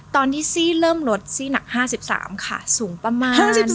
ตอนนี้ซี่เริ่มลดซี่หนัก๕๓ค่ะสูงประมาณ